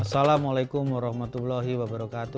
assalamualaikum wr wb